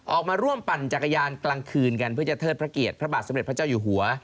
ออกมาร่วมปั่นจักรยานกลางคืนกันเพื่อจะเทิดพระเกียรติพระบาทสมเด็จพระเจ้าอยู่หัว